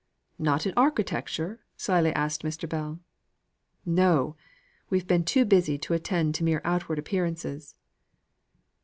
"Not in architecture?" slyly asked Mr. Bell. "No! We've been too busy to attend to mere outward appearances."